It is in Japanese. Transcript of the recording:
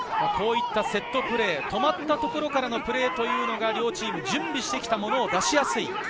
セットプレー、止まったところからのプレーが両チーム準備してきたものを出しやすい。